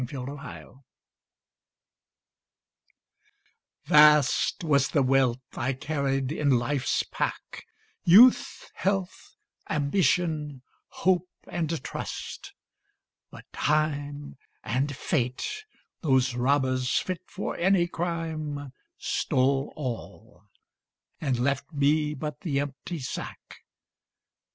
THE SUICIDE Vast was the wealth I carried in life's pack Youth, health, ambition, hope and trust; but Time And Fate, those robbers fit for any crime, Stole all, and left me but the empty sack.